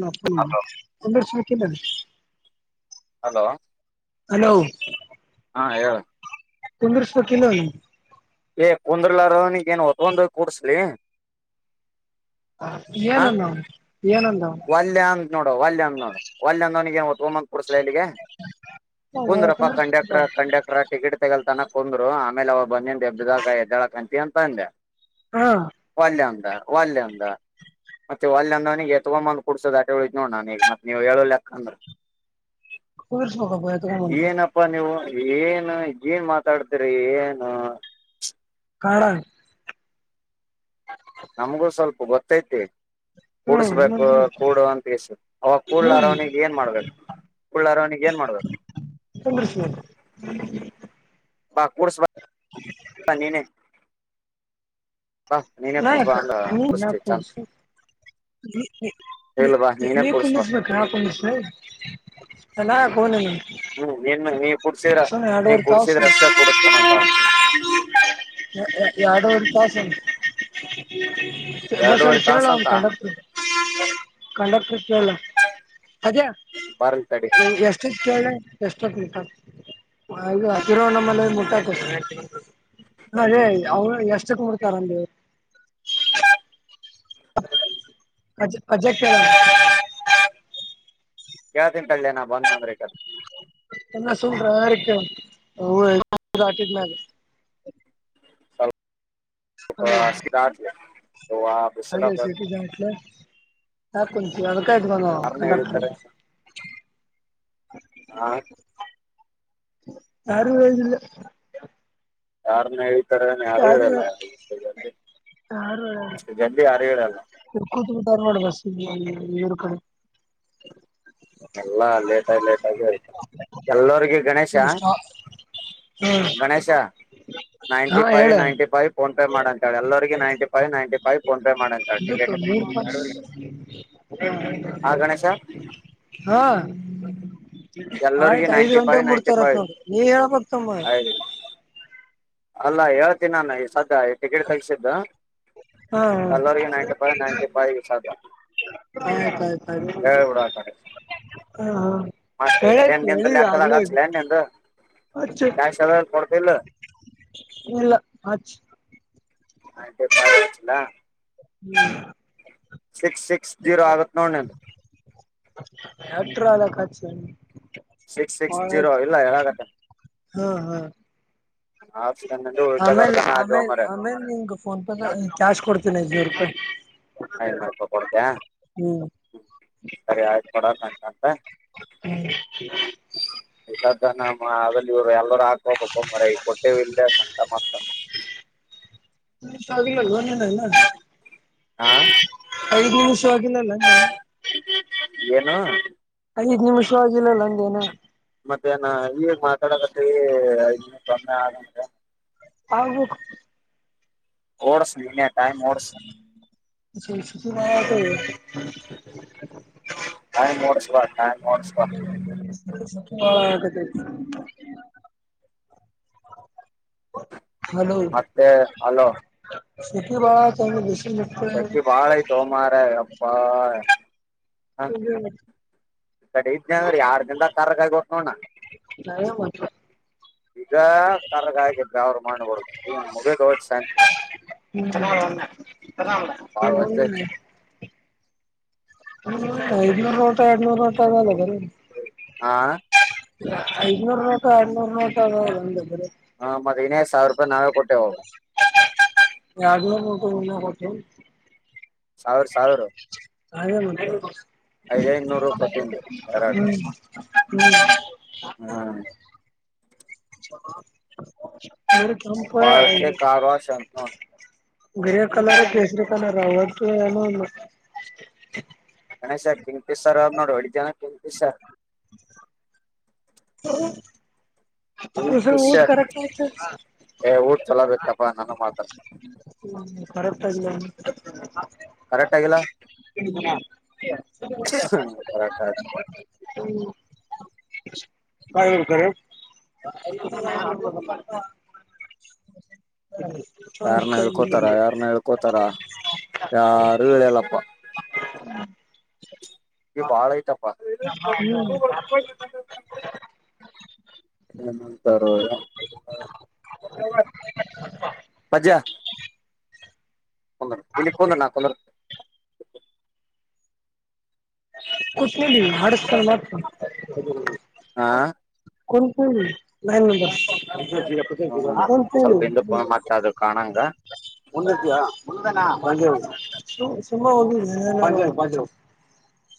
ನ ಒ ಸ ಬ ಹಲೋ ಹಲೋ ಹಾ ಹೇಳ ತುಂದಸ್ವ ಕಲ ಈ ಕುಂದ್ರಲಾರನಗ ಏನ್ ಒತ್ತಂದ ಕೂಡ್ಸ್ಲ ಹ ಏನಂದ ಅವನು ಏನಂದ ಒಲ್ಯ ಅಂಗ ನೋಡೋ ಒಲ್ಯ ಅಂಗ ನೋಡು ಒಲ್ಂಗ ವಾತಗೊಂಡ್ ಬಂಧ ಕುಂದೇಶಲ ಇಲ್ಲಿಗೆ ಅವನು ಕುಂದ್ರಪ್ಪ ಕುಂದರ್ಸ್ಬೇಕಪ್ಪ ಕಂಡಕ್ಟರ್ ಕಂಡಕ್ಟರ್ ಟಿಕೆಟ್ ತಗಲ್ತಾನ ಕುಂದ್ರು ಆಮೇಲೆ ಅವ ಬಂದಿದೆ ಎಬ್ಬ್ದಾಗ ಎದ್ದಳ ಅಂತಿ ಅಂತಂದೆ ಹಾ ಒಲ್ಂದ ಒಲ್ ಅಂದ ಮತ್ತೆ ಒಲ್ ಅಂದವನಿಗೆ ತಗೊಂಬಂದ ಕುಡ್ಸೋದು ಆಟೆ ಉದ್ ನೋಡ್ ನಾನ್ ಈಗ ಮತ್ತತ್ ನೀವ್ ಹೇಳ ಕ್ಕ ಅಂದ್ರ ಕುಂದರ್ಸ್ಬೇಕಪ್ಪ ಎತ್ಕೊಂಬಂದು ಏನಪ್ಪಾ ನೀವು ಏನು ಏನ್ ಮಾತಾಡ್ತಿರಿ ಏನು ಕಾರಣ ತೈತೆ ಹ್ಮ್ ಕೂಡ್ಸ್ಬೇಕು ಹ್ಮ್ ಕೂಡು ಅಂತ ಇಸು ಅವ ಕೂಡ್ಲಾರ ಅವನಿಗೆ ಏನ್ ಮಾಡ್ಬೇಕು ಉಳ್ಳಾರೋವಣಿಗೆ ಏನ್ ಮಾಡ್ಬೇಕು ತಮ್ರಶ ಬಾಕೂರ್ ಸ್ ನಾನ್ ಯಾಕ ಕುಡಸ್ತೀವಿ ಚಂದ ಕುಡಸಲಿ ನೀ ಇಲ್ಲ ಬಾ ನೀನೇ ನೀ ಕುಡ್ಸ್ ಬಾ ಕುಂದಿಸಬೇಕೇಕಾ ಕುಂದಸ ನಾ ಕನ ನೀ ಹ್ಮ್ ನೀನ್ ನೀ ಕುಡ್ಸಿದ್ರ ಸ ನೀ ಅಡುವರ್ಕಸ ಕುಡ್ಸಿದ್ರ ಅಷ್ಟೇ ಕುಡಸ್ತೀನಂತ ಎರಡು ಒ ಕಲಾಷ ಎರಡೂವರೆ ಬಸಲ್ಲಿ ಕೇಳ ತಾಸ ಒ ಅಂತ ಕಂಡರ್ತ ಕಂಡರ್ತ ಲ್ಲ ಅದ ಬರ್ಲಿ ತಡಿ ಎಷ್ಟು ಎಷ್ಟ ಮುಟ ಹಕಿರೋ ನಮ್ಮಲೆ ಮುಟ್ಟಕ ಅದೇ ಅವ ಎಷ್ಟಕ್ ಮುಡ್ತಾರಲ್ಲಿ ಕ ಕಜಾ ಕಳ ಕೇಳ್ತನ್ ಕಳ್ಳಯನ ಬಂದ ಅಂದಬೇಕ ಅದು ಎಲ್ಲ ಸಲಟ್ಟ ಷ್ಟ ಅದ ಸಟಿ ಜಟ್ಲ್ ಹಾ ಕೊಚ ಅಳಕಾಯ್ತ ನ ನ ಯಾರ್ನ ಕಂಡಕ್ ಎಳಿತಾರೆ ಹಾ ಸಾರು ವ ಯಾರನ್ನ ಹ ರ ಹರಿಯರಲ್ಲ ಇಷ್ಟ ಯಾರು ಜಲ್ಇಷ್ಟು ಜಲ್ದಿ ಅರಿಯರಲ್ಲ ಸರ್ ನೋಡ ಬಸ್ರ್ ಕಡೆ. ಎಲ್ಲಾ ಲೇಟ ಆಗ ಲೇಟ ಆಗಿ ಆಯತ ಎಲ್ಲಗ ಗಣೇಶ. ಸ್ಟಾ ಹ್ಮ್ [unintelligible] ನೈಂಟಿಫೈವ ನೈಂಟಿ ೈವ ಫೋನ್ ಪೇ ಮಾಡ ಅಂತ ಹೇಳಿ ಎಲ್ಲರಿಗೆ ninety five ninety five PhonePe ಮಾಡಂತ ಹೇಳ ಇದಕ್ಕ ಟಿಕೆಟ್. ಮೂರ್ ಹಾ ಗಣೇಶ ಹಾ ಎಲ್ಲರಿಗ ಆಯ್ತ್ ಐದ್ ನೈಂಟಿ ಫೈವ್ ಗಂಟೆಗೆ ನೈಂಟಿ ಮುಡ್ತರತ್ ಫೈವ್ ನೋಡ ನೀವ ಹೇಳ್ಬತಮ್ಮ ಅಲ್ಲಾ ಹೇಳ್ತೀ ನಾನು ಈ ಸದ್ಯ ಟಿಕೆಟ್ ತಗಸಿದ್ದ ಹಾ ಹ ಎಲ್ಲಗ ನೈಂಟಿ ಫೈವ ನೈನ್ಟಿ ಫೈವಿಷಾದ ಆಯ ಆ ಹ ಮತ್ತೆ ಹೇಳತು ಏನ್ ನಿಂದು ಹೇಳಿವ ಲೆಕ್ಕದಾಗ ಆಗ್ಲೇ ಹಚ್ಲ ಏನ್ ನಿಂದು ಹಚ್ಚು ಕ್ಯಾಶ್ ಎಲ್ಲ ಕೊಡ್ತಲ್ಲ ಇಲ್ಲ ಅ ಹಾ ಪಿಲ್ಲ ಹ್ಮ್ ಸಿಕ್ಸ್ ಸಿಕ್ಸ್ ಜೀರೋ ಆಗತ್ತೆ ನೋಡನ. ಎಟ ಅದ ಕಚ [unintelligible] ಸಿಕ್ಸ್ ಸಿಕ್ಸ್ ಜೀರೋ ಇಲ್ಲ ಹಾಗತ್ತೆ. ಹು ಹು. ಆಪ್ಷನ್ ನಿಂದು ಆಮೇಲೆ ಉಳ್ಕೆದಾರ್ದನ ಅಲ್ಲಿ ಆಮೇ ಹೋಮರೆ ಆಮೇಲೆ ನಿಂಗ ಫೋನ್ಪೇ ಕ್ಯಾಶ್ ಕೊಡ್ತೀನಿಐನೂರು ರೂಪಾಯಿ. ಐನೂರು ರೂಪಾಯಿ ಕೊಡ್ತಯ ಹ್ಮ್ ಹ್ಮ ಸರಿ ಆಯ್ತು ಕೊಡ ಗಂಟಂತ. ಹ್ಮ್. [unintelligible] ಈಧ ನಮ್ಮ ಅಲ್ಲಿ ಇವ ಎಲ್ಲ. ಹಾಕ ಮರ ಕೊಟ್ಟೇ ಇಲ್ಲ ಸಂತ ಮಾತ್ರ. [unintelligible] ಹಾ ಐದು ನಿಮಿಷವಾಗಿಲ್ಲಲ್ಲ. ಹೆನೋ. ಹುಷ ಆಗಿಲ್ಲಲ್ಲ ಹಂಗೇನು. ಮತ್ತೆ ನ ಈಗ್ ಮಾತಾಡಕತ್ೆ ಸೊಮ್ಮೆ ಆಂತೆ. ಹಾಗದು. ಓಡ್ಸ್ ನೀನೆ ಟೈಮ ಓಡ್ಸ್. ಸಸ್ವತಿ ಮಾ [unintelligible] ನಿ ನೋಡಸಲ ನ ನೋಡ್ಸ. ಹಾ. ಮತ್ತೆ ಹಲೋ. ಸಕ್ಕಿ ಬ [unintelligible] ಸಕ್ಕಿ ಬಾಳೆ ತೋಮಾರ ಅಪ್ಪಾ. [unintelligible] ಕಡೆ ಇದೆ ಅಂದ್ರ ಯಾರ್ ದಿಂದ ಕರ ಕಾಯಿ ಕೊಟ್ಟ ನೋಣ. ನರ ಮಾತ್ರ. ಈಗ ಕರ್ಗ ಆಗಿದ್ರ ಅವ್ರು ಮಾಡ್ಬಡ ಈನ್ ಮುಗದ್ ಹೋದ ಶಾಂತಿ. ಬಾಳ ವಜ್ಜ ಐತಿ [unintelligible] ಐ್ನೂರು ರೋಟ ಎರಡ್ನೂರು ರೋಟ ಅದಲ್ಲದರೀ. ಹಾ. ಐದನೂರ್ ನೋಟ ಅರ್ನೂರ್ ನೋಟ ಅ ಒ್ರರಿ. ಹ ಮತ್ತ ಇಿನೈದ್ ಸಾವಿರ ನಾವೇ ಕೊಟ್ಟೇಹೂ. [unintelligible] ಸಾವಿರ ಸಾವಿರ. [inaudible] ಐದೇ ಇನ್ನೂರು ಕೊಟ್ಟೀನಿ [unintelligible] ಎರಡ್ ಹ್ಮ್ ಹ್ಮ್. ಹ್ಮ್ [unintelligible] ಅವರು ಕೆಪ್ಯಾ. ಪಾವಕಿ ಕಾರ್ ವಾಶ್ ಅಂತ ನೋಡ್ ಗ್ರೇ ಕಲರ್ ಕೇಸರಿ ಕಲರ್ ಅವದು ಏನು. ಗಣೇಶ ಕಿಂಗಫೇಷೇರ್ ಅದೇ ನೋಡು ಹೊಡಿತಿಯ. ಹ್ಮ. ಕಿಂಗ್ ಫಿಶರ್ [unintelligible] ಏ ಊಟ್ ಚಲೋ ಬಪ್ಪ ನಾನು ಮಾತಾಡ್. [unintelligible] ಕರೆಕ್ಟ್ ಆಗಿಲ್ಲಾ. [unintelligible] ಕರೆಕ್ಟ್ ಆಯ್ತು [unintelligible] [unintelligible] ಹ ಯಾರನ್ನ ಹೇಳ್ಕೋತಾರ ಯಾರನ್ನ ಹೇಳ್ಕೋತಾರ [unintelligible] ಯಾರು ಏಳೆಯಲ್ಲಪ್ಪ ಹ [unintelligible] ಈ ಬಾಳ ಐತಪ್ಪಾ ಹ್ಮ್ [unintelligible] ನಂತರ [unintelligible] ಪಜ ಇಲ್ಲಿ ಕೊಂದ ನಾ ಕುಂದರ ಕುತ್ ಮಾಡಡಸ್ತಾರೆ ಮತ್ರ ಹಾ ಕುಂತಿವ್ರಿ [unintelligible] [unintelligible] [unintelligible] ಹ್ಮ್ ಸ್ವಲ್ಪ ಹಿಂದಕ್ ಕುಂದ್ರ ಮತ್ತ ಅದು ಕಾಣಂಗ ತುಂಬ ಹೋಗಧೆ [unintelligible]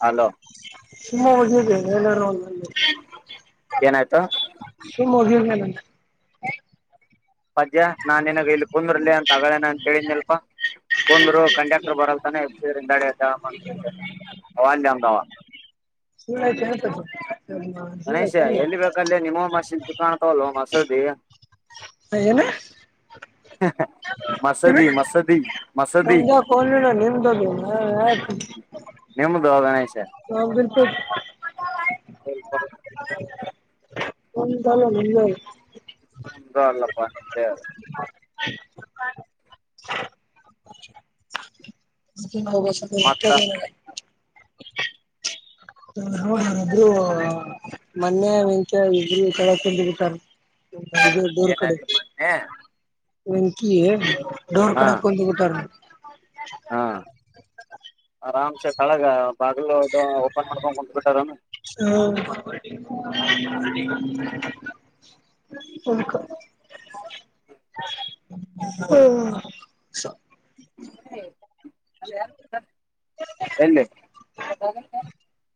ಅಲೋ ತುಂಬಾ ಹೋಗಿದ್ದೆ ಎಲ್ಲಾರ ಅಲ್ಲಲ್ಲಿ ಏನಾಯ್ತು [unintelligible] ಪಜ ನಾನ್ ನಿನ ಇಲ್ಲಿ ಕುಂದರ್ಲಿ ಅಂತ ಅಗಗಳೇನ ಅಂತೇಳಿದ್ನಲ್ ಕುಂದರು ಕಂಡಕ್ಟರ್ ಬರಲ್ತಾನೆ ಎದ್ರಿಂದಾ ಯಾವಾನಲೀ ಅಂದಾವ ಆಯ್ತ ಗಣೇಶ ಎಲ್ಲಿ ಬೇಕಲ್ಲ ನಿಮ್ಮ ಮಸಲ್ ಕಾಣ್ತಾವಲ್ ಮಸದಿ ಏನು ಹ ಹ ಏನ [unintelligible] ಆಯ್ತು ನಿಮ್ದು ಗಣೇಶ ಹ ಸಪ [unintelligible] ನಂಧಲಾ ನಿಂದು ಅದ ಅಲ್ಲಪ್ಪಾರ [unintelligible] ಸ ಮತ್ತ [unintelligible] [inaudible] ದು [unintelligible] ಮೊನ್ನೆ ಇಂಚ ಇರು ಕೆಲಕ ತಿರುತಾರೆ ದೋರ್ ಕಡೆ ಏನಾಯ್ತು ಮೊನ್ನೆ ವಂಕಿ ಡೋರ್ ಹಾ ಕಡಕ್ಂದು ಬಿಟಾರ ಹಾ ಆರಾಮ್ಸೆ ಕಳಗ ಬಾಗಿಲು ಇದು ಓಪನ್ ಮಾಡ್ಕೊಂಡ್ ಕುಂದ್ ಬಿಟ್ಟಾರ ಹ [unintelligible] ಹಕ [unintelligible] ಓ ಹಾ ಎಲ್ಲಿ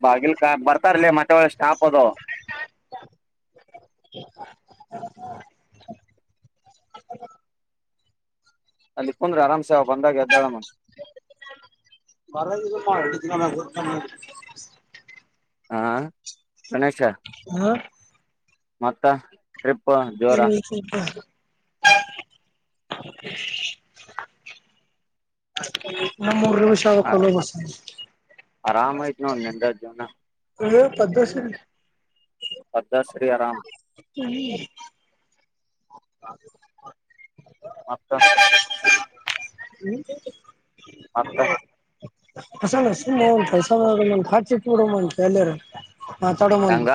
ಬಾಗಿಲ್ ಕ ಬರ್ತಾರಲ ಮತ್ತೆ ಒಳ ಸ್ಟಾಪ್ ಅದು ಹ ಅಲ್ಲಿ ಕುಂದ್ರೆ ಆರಾಮ್ಸೆ ಅವ ಬಂದಾಗ ಎದ್ದಾಳಮ್ಮನ್ ತ [unintelligible] ಹಾ ಗಣೇಶ ಮತ್ತ ಟ್ರಿಪ್ ಜೋರ [inaudible] ಮೂರು [unintelligible] ಬಸ ಆರಾಮ ಐತ್ ನೋಡ್ ನಿಂದ ಜೀವನ ಹ ಪದ್ಮಶ್ರರಿ ಅ್ಧಶ್ರೀರಾಮ್ ಮತ ಹ್ಮ ಮತ್ತ ಹಸ ಸುನೆ ಉಂಂತಸಚಿೂಡಂಂತ ಎಲ್ಲರ ಮಾತಾಡೋ ಬಂದು ಹೆಂಗ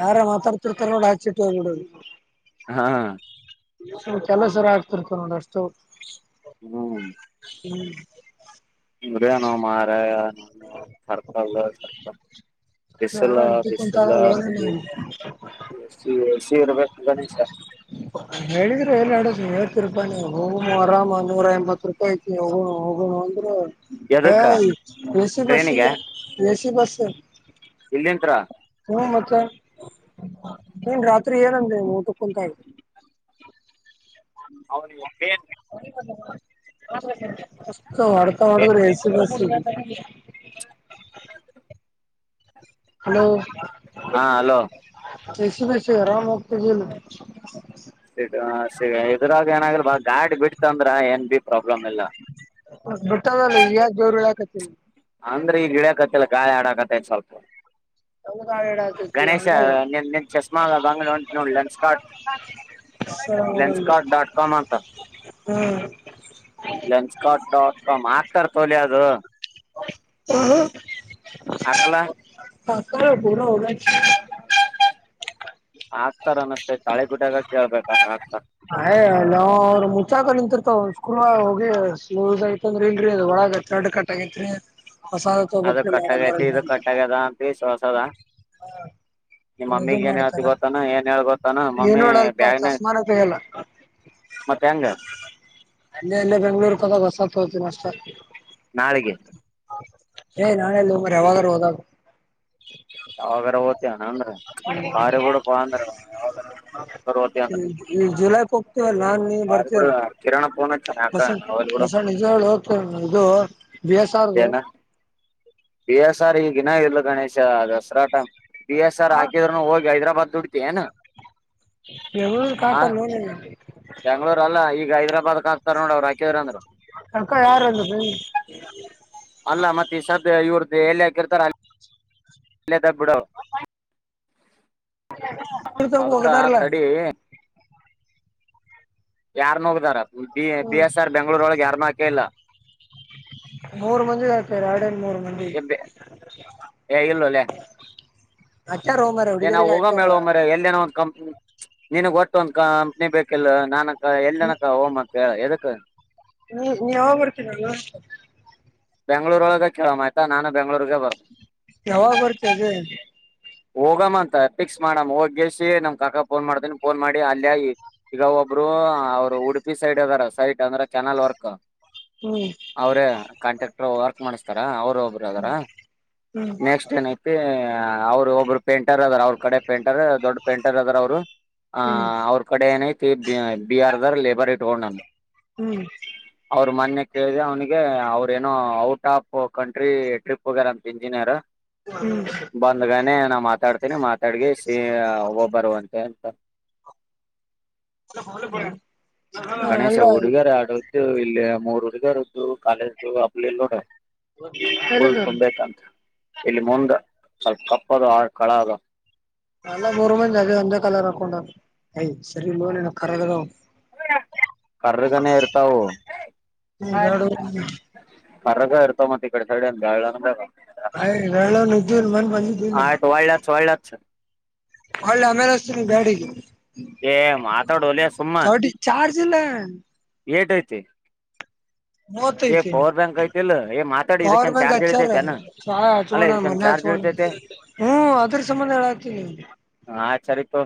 ಯಾರ ಮಾತಾಡ್ತಿರ್ತ ನೋಡ ಹಚ್ಚಿಟ್ಟು ಹೋಗ್ಬಿಡದು ಹಾ ಕೆಲಸರ ಆಗ್ತಿರ್ತ ನೋಡ ಅಷ್ಟು ಹ್ಮ್ ನೋ ಮಾರ ನ ಸರ್ಕಲ್ ಸರ್ಕಲ್ ಯಾರ ಬಿಸಲಾ ಅಂಟಿಕೊಂತಾರ ಬಿಸಲ್ಲ ಕೊುದ ಲೋನ್ ಸರಬೇಕು ಗಣೇಶ ಹ ರೂಪಾಯಿಿ ಹೋಗೋಣ ಆರಾಮ ನೂರ ಎಂಬತ್ತು ರೂಪಾಯಿ ಐತಿ ಹೋಗ ಹೋಗಣ ಅಂದ್ರರು ಎದಕ್ಕಾ ಎಸಿ ಬಸ್ ಎಸಿ ಬಸ್ ಎಲ್ಂತ ಸಹಮತೆ ನೀನ್ ರಾತ್ರಿ ಏನಂದ ಊಟ ಕುಂತಾಯ ಅವನಿಗೆ ಬೆೇನ್ ಒಡಕ ಮಾಡಕ ಪೇನ್ ಪೇನ್ ಸ ಬಸ್ ಹಲೋ ಹಾ ಹಲೋ ಸ ಬಸಿ ಆರಾಮ ಒಕ್ತ ಸಿ ಸಿ ಇದ್ರಾಗ ಏನಾಗಿಲ್ವಾ ಗಾಡ್ ಬಿಡ್ತ ಅಂದ್ರ ಏನ್ ಬಿ ಪ್ರಾಬ್ಲಮ್ ಇಲ್ಲ ಬರ್ತದಲ್ಲ ಯ ಜೋರುಗಳು ಹಾಕತ್ತನ ಅಂದ್ರೆ ಈಗ ಗಿಡಿಯಕತ್ತಲ್ಲ ಕಾಾಯಿ ಆಡಕತ್ತ ಸ್ವಲ್ಪ ಹಂಗ ಹಾಳ್ ಇಡಾಕತ್ತಿ ಗಣೇಶ ಹಂಗ ನಿನ್ ನಿನ್ ಚಸ್ಮಾಲ್ಲ ಬಂಗಳ ಉಂಟ ನೋಡ್ಲನ್ ಸ್ಟಾ್ಟ ಲಂಚ್ಕಾರಾ್ಟ ಡಾಟ್ ಕಾಮ್ ಅಂತ ನ್ಸ್ಕಾಟ್ ಡಾಟ್ ಕಾಮ್ ಹಾಕ್ತಾರೆ ತೊಲೆ ಅದು ಹ್ಮ ಅಟ್ಲ ಹಾಕ ಪೂರ ಹದ ಹಾಗ್ತಾರ ಅನಸ್್ಕ ತಾಳೆ ಗುಟಾಗ ಕೇಳ್ಬೇಕ ಆಗ್ತಾರ ಅಯ್ ನಾವ ಅವ್ರರು ಮುಚ್ಚಾಕ ನಿಂತಿರ್ತವ ಸ್ಕೂಲ್ ಹೋಗಿ ಸ್ ಐತಂದ್ರಿ ಇಲ್ರಿ ಒಳಗ ದಡ್ ಕಟ್ ಆಗೈತ್ರಿ ಹೊಸಾದ ಅದು ತಬತ್ರಿ ಮಕ್ ಬರಲ್ಲ ಕಟ್ಟಾಗೈತಿ ಇದು ಅಂತ ಕಟ್ಟಾಗ್ಯದ ಅಂತ ಸೋಸದ ಹಾ ನಿಮ್ ಮಮ್ಮಿಗ್ ಏನ್ ಹೇಳ್ತಿ ಗೊತ್ತಾನ ಏನ್ ಹೇಳ್ ಗೊತ್ತಾನ ಏನ್ ಮಮ್ಮಿ ನೋಡಲ್ಪ ಬ್ಯಾಗ್ನೆ ಇ ಚಸ್ಮಾನ ತೆಗಲ್ಲ ಮತ್ತೆ ಹೆಂಗ ಅಲ್ಲೆ ಅಲ್ಲೇ ಬೆಂಗ್ಳೂರ್ ಕ ಹೊಸಾತ್ ಹೋತವಿ ಮಸ್ರ್ ನಾಳೆಗೆ ಏ ನಾನೆಲ್ಲ ರವಾದದ ಯಾವಾಗಾರ ಓತಾನನ್್ರೀ ್ಮ ಯಾವಾಗರ ಓತಿ ಅಂದ್ರ ಜುಲೈ ಪ ನಾನ್ ನೀ ಬಾರಿ ಬಿಡು ಬರ್ತೇನೆ ಕಿರಣ ಫೋನ್ ಹಚ್ಚಾನ ಯಾಕ ಹೊಸ ಹೋಗ್ಲಿ ಬಿಡು ಬಸಣ ನಿಜು ಹೋಗ್ತೇ ಇದು ಬಿ ಎಸ್ ಆರ್ ಪ ಎಸ್ ಆರ್ ಈಗಿನಾಗಿಲ್ಲ ಗಣೇಶ ದಸರಾಟ ಬಿ ಎಸ್ ಆರ್ ಹಾಕಿದ್ರುನು ಹೋಗಿ ಹೈದ್ರಾಬಾದ್ ದುಡ್ತಿ ಏನಾ ಎೂ ಕಾಕ ನೋನಲ್ಲ ಬೆಂಗ್ಳೂರ್ ಅಲ್ಲ ಈಗ ಹೈದ್ರಾಬಾದ್ಕ್ ಹಾಕ್ತಾರ ನೋಡ ಅವ್ರುಾಕಿದ್ರ ಅಂದ್ರೆ ಅಕ್ಕಾ ಯಾರು ಅಂದದು ಅಲ್ಲ ಮತ್ತೆ ಸದ ಇವ್ರ್ದ ಎಲ್ಲಿ ಹಾಕಿರ್ತಾರ ಇಲ್ಲದ ಬಿಿಡೋ ಅದಕ್ಕ ಹೋಗದಾರಲ್ಲ ತಡಿ ಯಾರ್ನ ಹೋಗ್ದಾರ ಬಿ ಹ್ಮ್ ಎಸ್ ಆರ್ ಬೆಂಗ್ಗಳೂರೊಳಗೆ ಯಾರ್ನ್ ಹಾಕ ಇಲ್ಲ ಮೂರು ಮಂದಿ ಆತರ್ ಎರಡನ್ ಮೂರು ಮಂದ ಎಬ ಏ ಇಲ್ಲಲ್ಲೇ ಹಾಕ್ಯಾರ ಹೋ ಮಾರಾಯ ಏ ನಾವ ಹುಡುಗಿಯರಿಗೆ ಹೋಗೋ ಹಾಕ್ಯಾರ ಮೇವ ಮರ ಎಲ್ಲೇನೋ ಒಂದು ಕಂಪ್ನಿ ನನ್ಗ್ ಒಟ್ಟು ಒಂದ ಕಂಪ್ನಿ ಬೇಕಲ್ ನಾನಕ ಎಲ್ಲನಕ್ಕ ಹೋಮ್ಕ್ ಎದಕ್ಕ ಹ್ಮ್ ನೀ ಯಾವ ಬರ್ತೀನಲ್ಲ ಬೆಂಗ್ಳೂರಳಗ ಕೇಳೋ ಆ್ತಾ ನಾನಾ ಬೆಂಗ್ಳೂರ್ ಬರ್ ಕೆವ ಕೊತದೆ ಹೋಗಮ್ಮ ಅಂತ ಫಿಕ್ಸ್ ಮಾಡಮ್ಮ ಹೋಗ್ಯಸಿ ನಮ್ ಕಾಕಾ ಫೋನ್ ಮಾಡ್ತನಿ ಫೋನ್ ಮಾಡಿ ಅಲ್ಯ ಈಗ ಒಬ್ರು ಅವರು ಉಡುಪಿ ಸೈಡ್ ಅದಾರ ಸೈಡ್ ಅಂದ್ರೆ ಕೆನಲ್ ವರ್ಕ್ ಹ್ಮ್ ಅವರೇ ಕಾಂಟ್ರಾಕ್ಟರ್ ವರ್ಕ್ ಮಾಡಸ್ತಾರ ಅವರು ಒಬ್ರು ಅದಾರ ಹ್ಮ್ ನೆಕ್ಸ್ಟ್ ಏನೈತಿ ಅವರು ಒಬ್ಬರು ಪೇಂಟರ್ ಅದಾರ ಅವ್ರ ಕಡೆ ಪೇಂಟರ್ ದೊಡ್ ಪೇಂಟರ್ ಅದಾರ ಅವರು ಅಹ ಹ್ಮ್ ಅವ್ರ ಕಡೆ ಏನೈ ಬಿಆರ್ ದರ್ ಲೇಬರ್ ಇಟ್ಕೊಂಡ ನಾನು ಹ್ಮ್ ಅವ್ರ ಮೊನೆೆ ಕೇಳ್ದ ಅವ್ನಿಗೆ ಅವ್ರ ಏನೋ ಔಟ್ ಆಫ್ ಕಂಟ್ರಿ ಟ್ರಿಪ್ ಹೋಗ್ಯಾರಂತ ಇಂಜಿನಿಯರ್ ಹ್ಮ ಮೆ ನಾ ಮಾತಾಡ್ತೇನಿ ಮಾತಾಡ್ಗೆ ಸಿ ಒಬ್ಬಬ್ಬರು ಅಂತೆ ಅಂತ ಹೊ ಬ ಗಣೇಶ ಹುಡುಗರ್ ಆಡ್ದು ಇಲ್ಲಿ ಮೂರ್ ಹುಡುಗರುದ್ದು ಕಾಲೇಜ ಹಬ್ಲಿ ಇಲ್ಲಿ ನೋಡ ಹಲೋ ಫುಲ್ ಸ ತುಂಬೈತಂತ ಇಲ್ಲಿ ಮುಂದ ಸ್ವಲ್ಪ ತಪ್ಪದು ಆ ಕಳ ಅದು ನಲ್ಲ ಮೂರು ಮಂದ ಅದ ಅಂದ ಕಲ್ಲ ಅಕೊಂಡ ಯ್ ಸರಿ ಲನ್ನ ಖರದಗ ಕರ್ರಗನ ಇರ್ತವು ಹ್ಮ್ ಬ್ಯಾಡೋ ಮರಗ ಇರ್ತಾವ ಮತ್ತತ್ ಈ ಕಡೆ ಸೈಡೆ ಅ ಗಾಳ ಅಂದ್ರ ಹ ರಳ ನಿ ತಿ ಮನ್ ಬಲ್ಲ ಅಚ್ಚ ಒಳ್ಳೆ ಆಮೇಲೆಸ್ರಿ ಬೇಡ ಮಾತಾಡ ಲ ಸುಮ್ಮನ್ ಚಾರ್ಜ್ ಇಲ್ಲ ಎಟ ಐತಿ ಮತ್ತ ಏ ಐತಿ ಪವರ್ ಬ್ಯಾಂಕ್ ಐತಿಲ್ ಏ ಮಾತಾಡಿ ಪವರ್ ಇದಕ್ಕೇನ್ ಬ್ಯಾಂಕ್ ಚಾರ್ಜ್ ಅಚ್ಚ ರ ಇಳಿತೈತೆನ ಅಲ್ಲ ಚಚಣ ಇದಕ್ಕೇನ್ ಮನೆ ಅ ಚಾರ್ಜ್ ಇಳಿತೈತೆ ಹ್ಮ್ ಅದ್ರ ಸಂಬಂಧ ಹೇಳತೀಿ ಹ ಆಚರಿಿತು